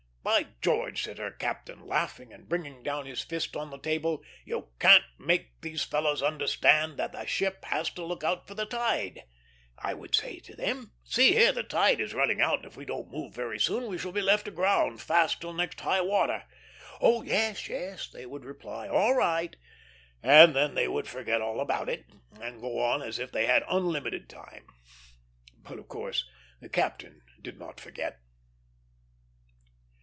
"By George!" said her captain, laughing and bringing down his fist on the table, "you can't make those fellows understand that a ship has to look out for the tide. I would say to them, 'See here, the tide is running out, and if we don't move very soon we shall be left aground, fast till next high water.' 'Oh yes, yes,' they would reply, 'all right'; and then they would forget all about it, and go on as if they had unlimited time." But of course the captain did not forget.